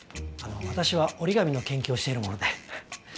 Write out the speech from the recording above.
あの私は折り紙の研究をしているもので。